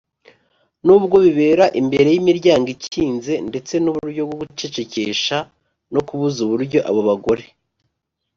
“N’ubwo bibera imbere y’imiryango ikinze ndetse n’uburyo bwo gucecekesha no kubuza uburyo abo bagore